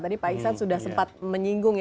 tadi pak iksan sudah sempat menyinggung ya